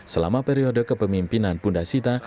selama periode kepemimpinan bunda sita